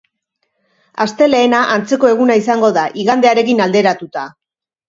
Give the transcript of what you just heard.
Astelehena antzeko eguna izango da, igandearekin alderatuta.